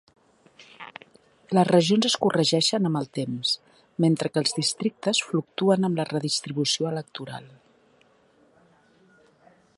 Les regions es corregeixen amb el temps, mentre que els districtes fluctuen amb la redistribució electoral.